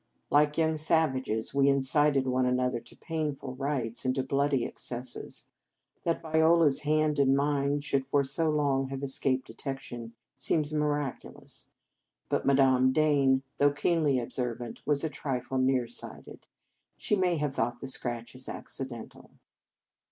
Like young savages, we incited one another to painful rites, and to bloody excesses. That Viola s hand and mine should for so long have escaped detec tion seems miraculous; but Madame Dane, though keenly observant, was a trifle near sighted. She may have thought the scratches accidental.